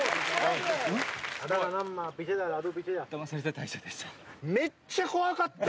ダマされた大賞でした。